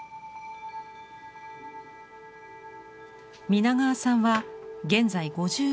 皆川さんは現在５２歳。